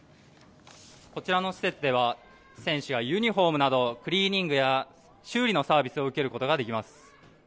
「こちらの施設では選手のユニホームなどクリーニングや修理のサービスを受けることができます」